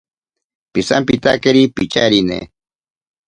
Pisampitakeri picharine.